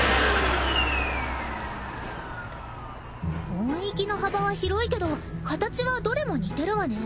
音域の幅は広いけど形はどれも似てるわね。